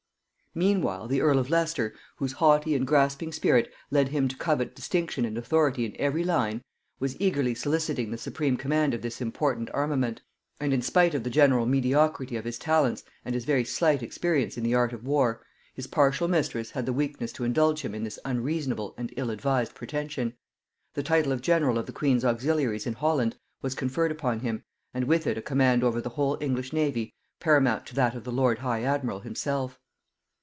Meanwhile the earl of Leicester, whose haughty and grasping spirit led him to covet distinction and authority in every line, was eagerly soliciting the supreme command of this important armament; and in spite of the general mediocrity of his talents and his very slight experience in the art of war, his partial mistress had the weakness to indulge him in this unreasonable and ill advised pretension. The title of general of the queen's auxiliaries in Holland was conferred upon him, and with it a command over the whole English navy paramount to that of the lord high admiral himself.